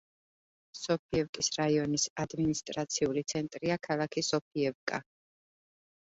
სოფიევკის რაიონის ადმინისტრაციული ცენტრია ქალაქი სოფიევკა.